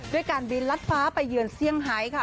การบินลัดฟ้าไปเยือนเซี่ยงไฮค่ะ